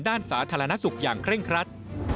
ด้านสาธารณสุขอย่างเคร่งครัด